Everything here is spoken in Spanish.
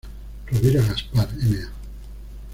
Rovira Gaspar, Ma.